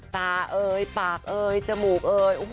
เอ่ยปากเอยจมูกเอ่ย